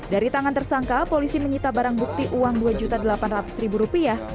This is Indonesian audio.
dari tangan tersangka polisi menyita barang bukti uang dua delapan ratus rupiah